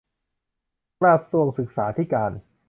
กระทรวงศึกษาธิการ